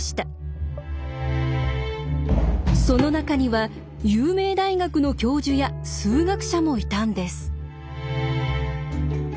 その中には有名大学の教授や数学者もいたんです。